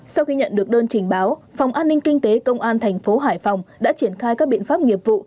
sau khi nhận được đơn trình báo phòng an ninh kinh tế công an thành phố hải phòng đã triển khai các biện pháp nghiệp vụ